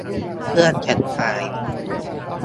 เครื่องแต่งกาย